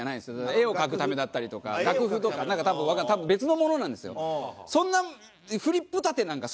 絵を描くためだったりとか楽譜とかなんか多分別のものなんですよ。